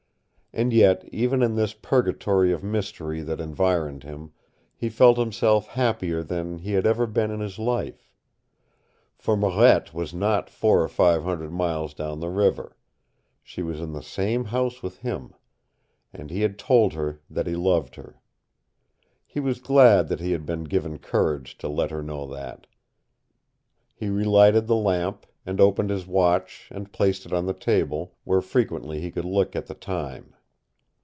And yet, even in this purgatory of mystery that environed him, he felt himself happier than he had ever been in his life. For Marette was not four or five hundred miles down the river. She was in the same house with him. And he had told her that he loved her. He was glad that he had been given courage to let her know that. He relighted the lamp, and opened his watch and placed it on the table, where frequently he could look at the time.